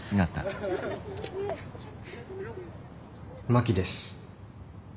真木です。